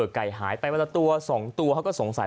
ไก่หายไปประมาณ๑ตัว๒ตัวเขาก็สงสัย